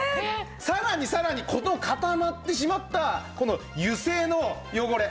さらにさらに固まってしまったこの油性の汚れ。